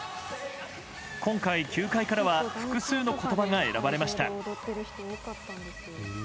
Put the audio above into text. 今回、球界からは複数の言葉が選ばれました。